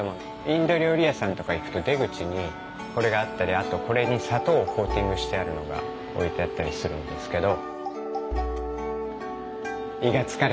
インド料理屋さんとか行くと出口にこれがあったりあとこれに砂糖をコーティングしてあるのが置いてあったりするんですけど。